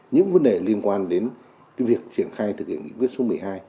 những vấn đề liên quan đến việc triển khai thực hiện nghị quyết số một mươi hai